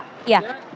ya selamat siang bu